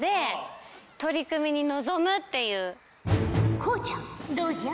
こうちゃんどうじゃ？